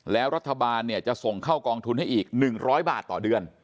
แล้วรัฐบาลจะส่งเข้ากองทุนให้อีก๑๐๐บาทต่อเดือน